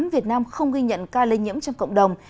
việt nam không ghi nhận ca lây nhiễm trong cộng đồng